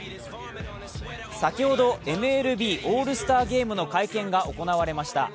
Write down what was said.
先ほどＭＬＢオールスターゲームの会見が行われました。